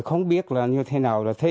không biết như thế nào